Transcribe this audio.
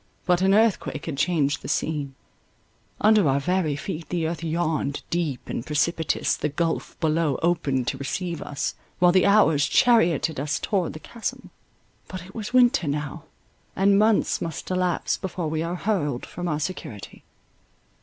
But an earthquake had changed the scene—under our very feet the earth yawned—deep and precipitous the gulph below opened to receive us, while the hours charioted us towards the chasm. But it was winter now, and months must elapse before we are hurled from our security.